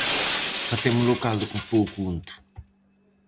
Facemos o caldo cun pouco unto.